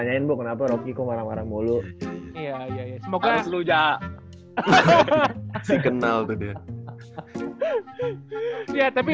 yang bisa berseragam nba